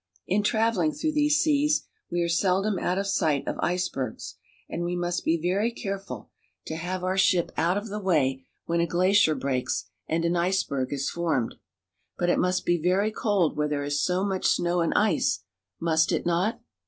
In traveling through these seas, we are seldom out of sight of icebergs, and we must be very careful to have our 300 ALASKA. ship out of the way when a glacier breaks and an iceberg is formed. But it must be very cold where there is so much snow and ice, must it not?